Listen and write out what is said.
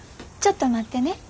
ちょっと待ってね。